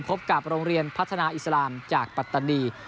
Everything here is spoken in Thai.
พบกับโรงเรียนพัฒนาอิสลามจากปัตตานี